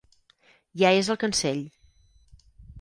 Ja és al cancell.